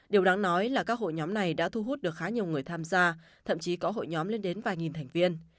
điều đáng nói là các hội nhóm này đã thu hút được khá nhiều người tham gia thậm chí có hội nhóm lên đến vài nghìn thành viên